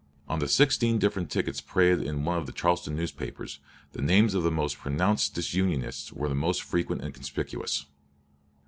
On the sixteen different tickets paraded in one of the Charleston newspapers, the names of the most pronounced disunionists were the most frequent and conspicuous.